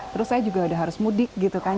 terus saya juga udah harus mudik gitu kan